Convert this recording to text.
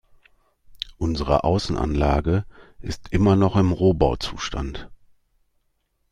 Unsere Außenanlage ist immer noch im Rohbauzustand.